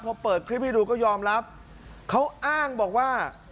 พอเปิดคลิปให้ดูก็ยอมรับเขาอ้างบอกว่า